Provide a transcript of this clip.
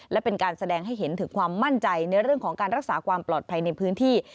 และเป็นการแสดงให้เห็นถึงความมั่นใจในเรื่องของการรักษาความปลอดภัยในพื้นที่